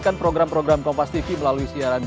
dan juga waktu perjalanan